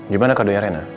gimana kadenya rena